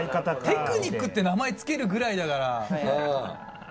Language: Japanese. テクニック。って名前付けるぐらいだから。